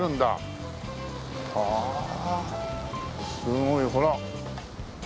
すごいほら。